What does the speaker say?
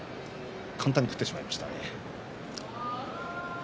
簡単に食ってしまいました。